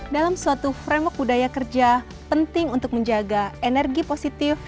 dalam suatu framework budaya kerja penting untuk menjaga energi positif